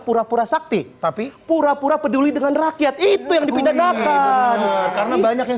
pura pura sakti tapi pura pura peduli dengan rakyat itu yang dipindahkan karena banyak yang